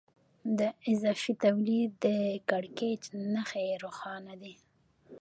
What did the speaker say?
د اضافي تولید د کړکېچ نښې روښانه دي